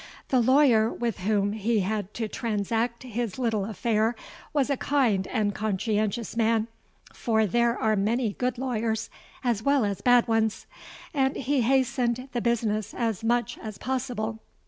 The lawyer with whom he had to transact his little affair, was a kind and conscientious man—for there are many good lawyers as well as bad ones;—and he hastened the business as much as possible.